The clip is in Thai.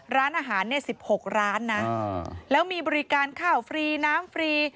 ร้านอาหารเนี่ย๑๖ร้านนะแล้วมีบริการข้าวฟรีน้ำฟรี